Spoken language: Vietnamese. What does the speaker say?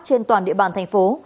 trên toàn địa bàn thành phố